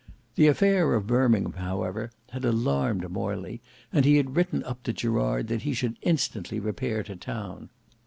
The affair of Birmingham however had alarmed Morley and he had written up to Gerard that he should instantly repair to town.